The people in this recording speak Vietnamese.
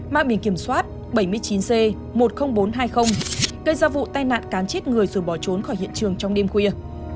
mang biển kiểm soát bảy mươi chín c một mươi nghìn bốn trăm hai mươi gây ra vụ tai nạn cán chết người rồi bỏ trốn khỏi hiện trường trong đêm khuya